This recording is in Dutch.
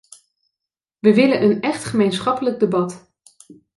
Wij willen een echt gemeenschappelijk debat.